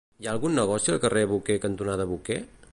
Hi ha algun negoci al carrer Boquer cantonada Boquer?